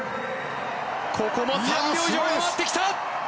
ここも３秒以上、上回ってきた！